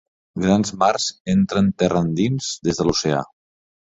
Grans mars entren terra endins des de l'oceà.